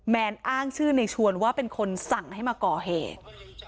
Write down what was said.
แนนอ้างชื่อในชวนว่าเป็นคนสั่งให้มาก่อเหตุ